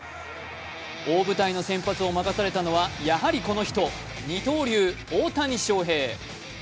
大舞台の先発を任されたのは、やはりこの人、二刀流・大谷翔平。